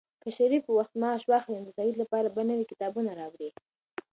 که شریف په وخت معاش واخلي، نو د سعید لپاره به نوي کتابونه راوړي.